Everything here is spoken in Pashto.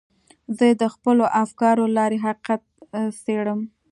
زه د خپلو افکارو له لارې حقیقت څېړم.